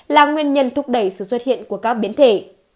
là nguyên nhân thúc đẩy sự xuất hiện của các biến thể